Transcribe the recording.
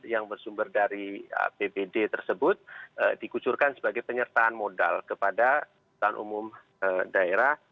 yang bersumber dari apbd tersebut dikucurkan sebagai penyertaan modal kepada perusahaan umum daerah